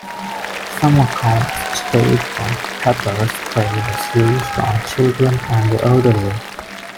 Some accounts state that pepper spray was used on children and the elderly.